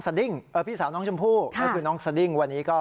ดิ้งพี่สาวน้องชมพู่ก็คือน้องสดิ้งวันนี้ก็